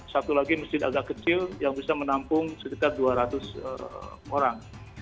satu lagi masjid agak kecil yang bisa menampung sekitar dua ratus orang